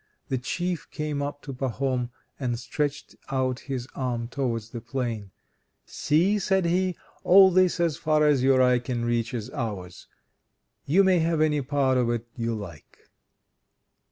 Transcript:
The Chief came up to Pahom and stretched out his arm towards the plain: "See," said he, "all this, as far as your eye can reach, is ours. You may have any part of it you like."